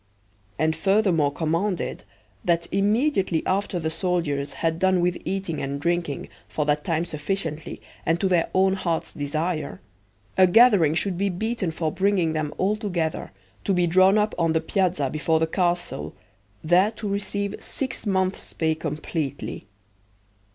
And furthermore commanded, that immediately after the soldiers had done with eating and drinking for that time sufficiently and to their own hearts' desire, a gathering should be beaten for bringing them altogether, to be drawn up on the piazza before the castle, there to receive six months' pay completely.